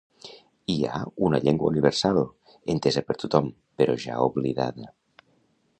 Hi ha una llengua universal, entesa per tothom, però ja oblidada.